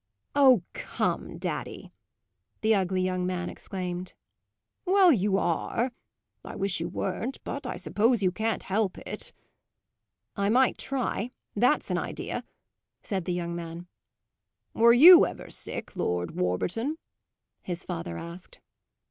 "Oh, come, daddy!" the ugly young man exclaimed. "Well, you are; I wish you weren't. But I suppose you can't help it." "I might try: that's an idea," said the young man. "Were you ever sick, Lord Warburton?" his father asked.